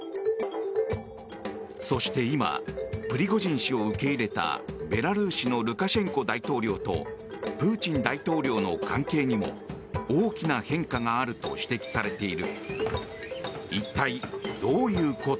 そして今プリゴジン氏を受け入れたベラルーシのルカシェンコ大統領とプーチン大統領の関係にも大きな変化があると指摘されている。